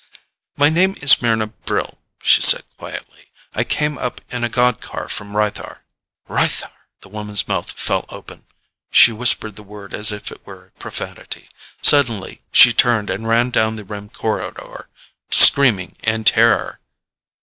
"My name is Mryna Brill," she said quietly. "I came up in a god car from Rythar." "Rythar?" The woman's mouth fell open. She whispered the word as if it were profanity. Suddenly she turned and ran down the rim corridor, screaming in terror.